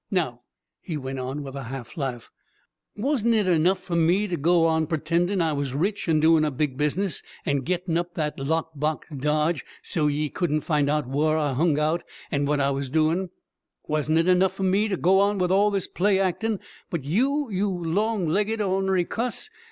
Now," he went on, with a half laugh, "wasn't it enough for me to go on pretendin' I was rich and doing a big business, and gettin' up that lock box dodge so as ye couldn't find out whar I hung out and what I was doin' wasn't it enough for me to go on with all this play actin', but you, you long legged or'nary cuss!